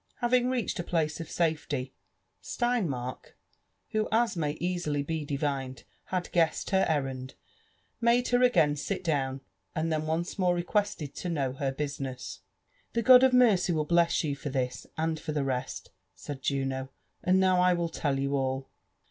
Having reached a place of safely, 3lcinmark, who, as may easily be divined, had guessed her errand, made her again, sit down, and then once more requested (o know her business. "The God of mercy will bless you for this, and for the rest," said Juno; "and now I will tell you all.